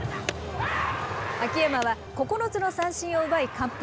秋山は９つの三振を奪い完封。